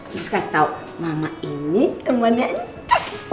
disini kasih tau mama ini temannya anjus